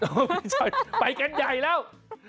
พี่ช่อยไปกันใหญ่แล้ว